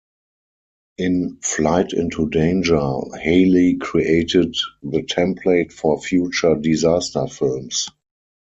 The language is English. In "Flight into Danger", Hailey created the template for future disaster films.